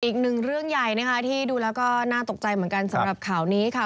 อีกหนึ่งเรื่องใหญ่นะคะที่ดูแล้วก็น่าตกใจเหมือนกันสำหรับข่าวนี้ค่ะ